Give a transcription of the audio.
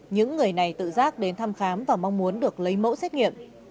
những người này tự giác đến thăm khám và mong muốn được lấy mẫu xét nghiệm